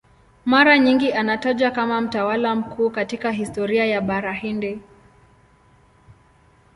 Mara nyingi anatajwa kama mtawala mkuu katika historia ya Bara Hindi.